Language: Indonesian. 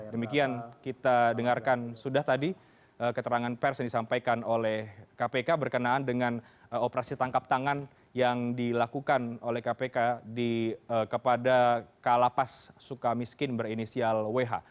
demikian kita dengarkan sudah tadi keterangan pers yang disampaikan oleh kpk berkenaan dengan operasi tangkap tangan yang dilakukan oleh kpk kepada kalapas suka miskin berinisial wh